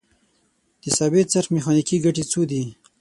د ثابت څرخ میخانیکي ګټې څو دي؟